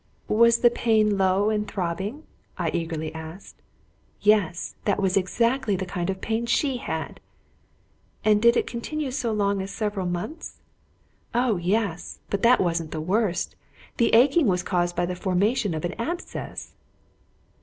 "Was the pain low and throbbing?" I eagerly asked. "Yes; that was exactly the kind of pain she had." "And did it continue so long as several months?" "Oh, yes. But that wasn't the worst! the aching was caused by the formation of an abscess."